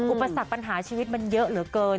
อุปสรรคปัญหาชีวิตมันเยอะเหลือเกิน